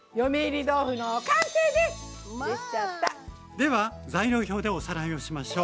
では材料表でおさらいをしましょう。